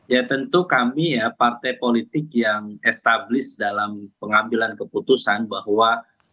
ya tentu kami ya partai politik yang establis dalam pengambilan keputusan bahwa